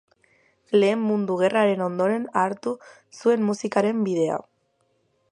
Lehen Mundu Gerraren ondoren hartu zuen musikaren bidea.